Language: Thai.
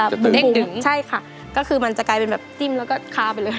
เวลาจิ้มออกไปแล้วมันจะบุ้งใช่ค่ะก็คือมันจะกลายเป็นแบบจิ้มแล้วก็คาไปเลย